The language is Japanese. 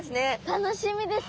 楽しみです。